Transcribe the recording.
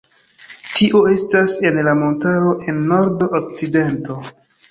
Tio estas en la montaro, en nord-okcidento.